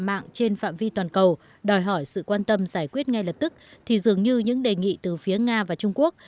mạng trên phạm vi toàn cầu đòi hỏi sự quan tâm giải quyết ngay lập tức thì dường như những đề nghị từ phía nga và trung quốc